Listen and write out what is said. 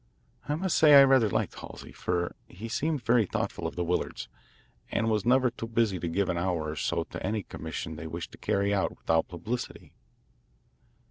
I must say I rather liked Halsey, for he seemed very thoughtful of the Willards, and was never too busy to give an hour or so to any commission they wished carried out without publicity..